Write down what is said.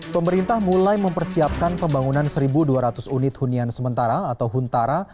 pemerintah mulai mempersiapkan pembangunan satu dua ratus unit hunian sementara atau huntara